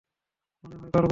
মনেহয় পারবো না।